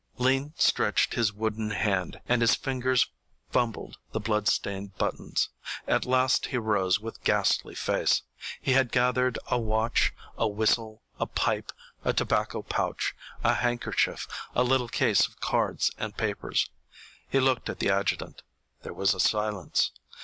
Lean stretched his wooden hand, and his fingers fumbled the blood stained buttons. At last he rose with ghastly face. He had gathered a watch, a whistle, a pipe, a tobacco pouch, a handkerchief, a little case of cards and papers. He looked at the adjutant. There was a silence.